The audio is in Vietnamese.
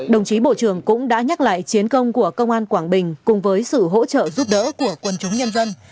đồng chí bộ trưởng cũng đã nhắc lại chiến công của công an quảng bình cùng với sự hỗ trợ giúp đỡ của quân chúng nhân dân